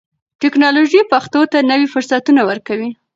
ټکنالوژي پښتو ته نوي فرصتونه ورکوي.